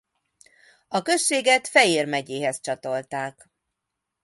A községet Fejér megyéhez csatolták.